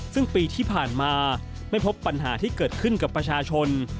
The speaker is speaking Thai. ซึ่งปีที่ผ่านมาไม่พบปัญหาที่เกิดขึ้นกับประชาชน